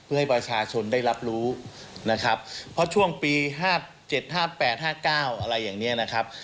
เพื่อให้ประชาชนได้รับรู้นะครับเพราะช่วงปี๕๗๕๘๕๙อะไรอย่างนี้นะครับ